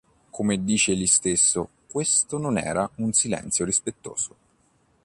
Come dice egli stesso: "Questo non era un silenzio rispettoso.